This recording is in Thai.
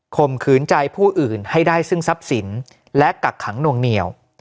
มขืนใจผู้อื่นให้ได้ซึ่งทรัพย์สินและกักขังนวงเหนียว